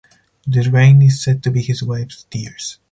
The rain is said to be his wife's tears.